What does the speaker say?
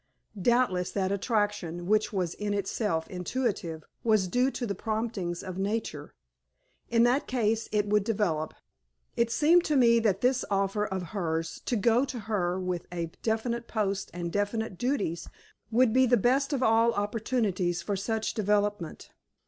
Doubtless that attraction, which was in itself intuitive, was due to the promptings of nature. In that case it would develop. It seemed to me that this offer of hers to go to her with a definite post and definite duties would be the best of all opportunities for such development.